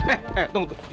eh eh tunggu tunggu